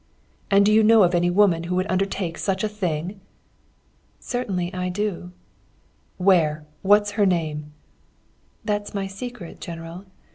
"'And do you know of any woman who would undertake such a thing?' "'Certainly I do.' "'Where? What's her name?' "'That's my secret, General.